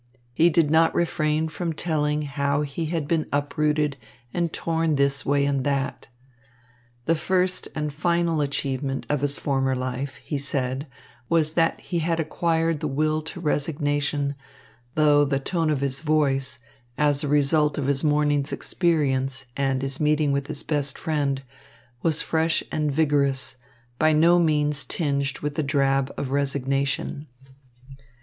He did not refrain from telling how he had been uprooted and torn this way and that. The first and final achievement of his former life, he said, was that he had acquired the will to resignation, though the tone of his voice, as a result of his morning's experience and his meeting with his best friend, was fresh and vigorous, by no means tinged with the drab of resignation.